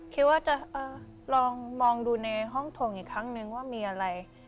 คิดว่าจะลองมองดูในห้องถงอีกครั้งนึงว่ามีอะไร